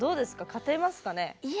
勝てますかね？